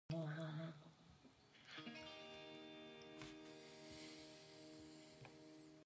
As such, if the pin feather is damaged, a bird can bleed heavily.